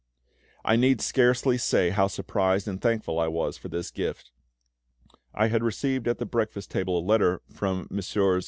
I need scarcely say how surprised and thankful I was for this gift. I had received at the breakfast table a letter from Messrs.